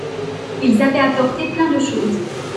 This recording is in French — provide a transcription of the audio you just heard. Ils avaient apporté plein de choses.